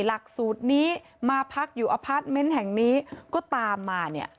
หลักสูตรนี้มาพักอยู่อพาร์ทเมนต์แห่งนี้ก็ตามมาเนี่ย